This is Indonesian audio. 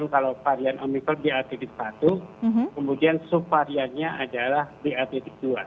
kemudian subvariannya adalah br dua